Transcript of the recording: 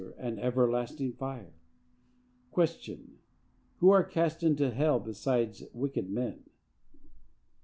_ Everlasting fire. Q. Who are cast into hell besides wicked men?